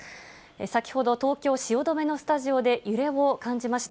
先ほど東京・汐留のスタジオで揺れを感じました。